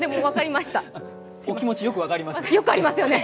お気持ちよく分かります。